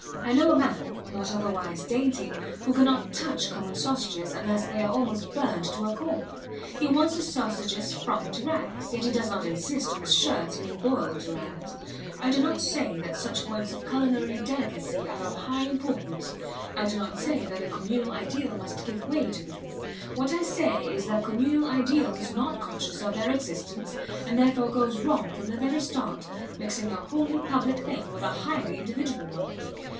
I know a man, not otherwise dainty, who cannot touch common sausages unless they are almost burned to a coal. He wants his sausages fried to rags, yet he does not insist on his shirts being boiled to rags. I do not say that such points of culinary delicacy are of high importance. I do not say that the communal ideal must give way to them. What I say is that the communal ideal is not conscious of their existence, and therefore goes wrong from the very start, mixing a wholly public thing with a highly individual one.